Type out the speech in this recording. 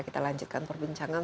kita lanjutkan perbincangan